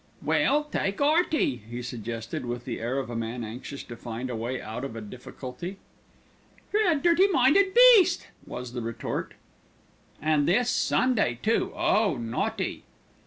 "Well, take 'Earty," he suggested, with the air of a man anxious to find a way out of a difficulty. "You're a dirty minded beast," was the retort. "An' this Sunday, too. Oh, naughty!"